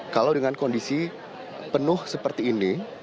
kalau dengan kondisi penuh seperti ini